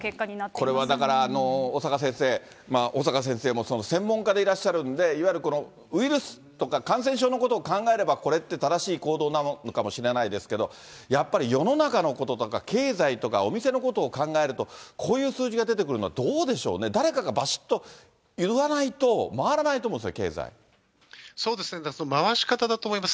これはだから、小坂先生、小坂先生も専門家でいらっしゃるんで、いわゆる、このウイルスとか感染症のことを考えれば、これって正しい行動なのかもしれないですけど、やっぱり世の中のこととか経済とか、お店のことを考えると、こういう数字が出てくるの、どうでしょうね、誰かがばしっと言わないと、回らないと思うんですが、そうですね、回し方だと思います。